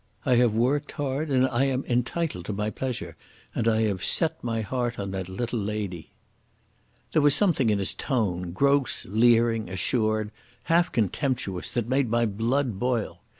I have worked hard and I am entitled to my pleasure, and I have set my heart on that little lady." There was something in his tone, gross, leering, assured, half contemptuous, that made my blood boil.